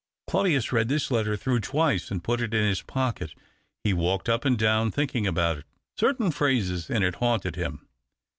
Claudius read this letter through twice, and put it in his pocket. He walked up and down thinking about it. Certain phrases in it haunted him.